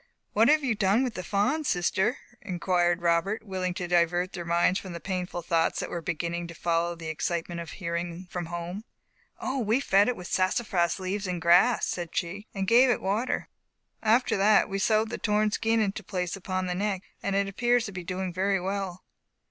"What have you done with the fawn, sister?" inquired Robert, willing to divert their minds from the painful thoughts that were beginning to follow the excitement of hearing from home. "O, we fed it with sassafras leaves and grass," said she, "and gave it water. After that we sewed the torn skin to its place upon the neck, and it appears to be doing very well."